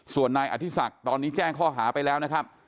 ส่วนนายอธิศักดิ์ตอนนี้แจ้งข้อหาไปแล้วนะครับ